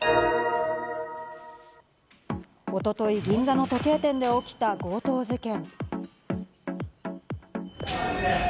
一昨日、銀座の時計店で起きた強盗事件。